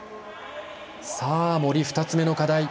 森、２つ目の課題。